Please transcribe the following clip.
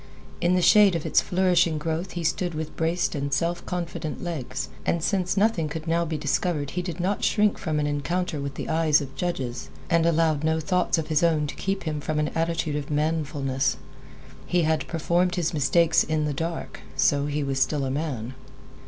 In the shade of its flourishing growth he stood with braced and self confident legs, and since nothing could now be discovered he did not shrink from an encounter with the eyes of judges, and allowed no thoughts of his own to keep him from an attitude of manfulness. He had performed his mistakes in the dark, so he was still a man.